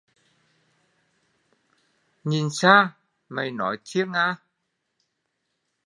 Nhìn xa mày nói thiên nga